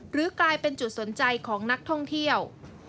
หรือกลายเป็นจุดสนใจของนักท่องเที่ยว